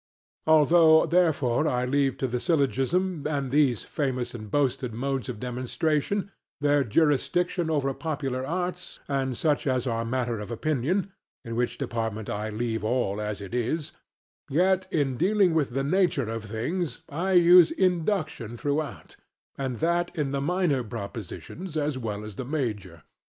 Although therefore I leave to the syllogism and these famous and boasted modes of demonstration their jurisdiction over popular arts and such as are matter of opinion (in which department I leave all as it is), yet in dealing with the nature of things I use induction throughout, and that in the minor propositions as well as the major.